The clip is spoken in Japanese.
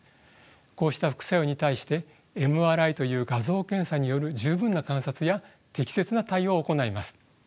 こうした副作用に対してＭＲＩという画像検査による十分な観察や適切な対応を行います。